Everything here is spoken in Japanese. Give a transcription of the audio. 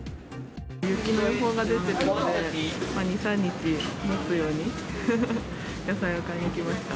雪の予報が出てるんで、２、３日もつように、野菜を買いに来ました。